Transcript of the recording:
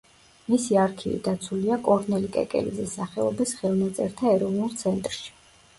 მისი არქივი დაცულია კორნელი კეკელიძის სახელობის ხელნაწერთა ეროვნულ ცენტრში.